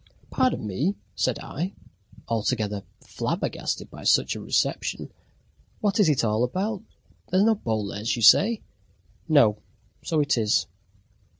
"Pardon me!" said I, altogether flabbergasted by such a reception, "what is it all about? There's no Boles, you say?" "No. So it is."